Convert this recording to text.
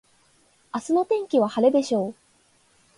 明日の天気は晴れでしょう。